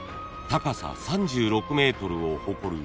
高さ３６ｍを誇る五重塔］